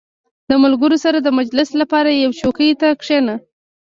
• د ملګرو سره د مجلس لپاره یوې چوکۍ ته کښېنه.